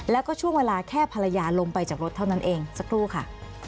แล้วก็ช่วงเวลาแค่ภรรยาลงไปจากรถเท่านั้นเองสักครู่ค่ะ